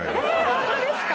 ホントですか！